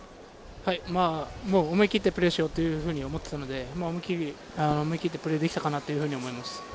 もう思い切ってプレーしようと思ったので、思い切ってプレーできたかなと思います。